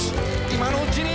今のうちに」